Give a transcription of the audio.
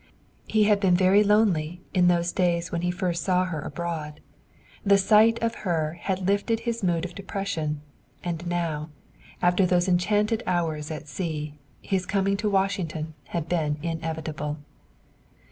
He had been very lonely in those days when he first saw her abroad; the sight of her had lifted his mood of depression; and now, after those enchanted hours at sea, his coming to Washington had been inevitable.